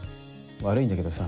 悪いんだけどさ